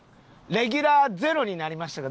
レギュラーゼロになりましたか？